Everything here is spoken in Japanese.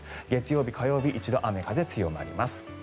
月曜日、火曜日一度雨、風強まります。